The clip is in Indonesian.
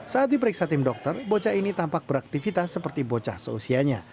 saat diperiksa tim dokter bocah ini tampak beraktivitas seperti bocah seusianya